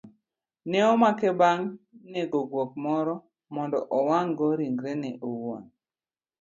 Ne omake bang' nego guok moro mondo owang'go ringrene owuon